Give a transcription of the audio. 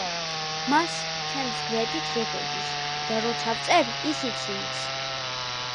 მას ჩემს გვერდით რეზო ზის და როცა ვწერ ის იცინის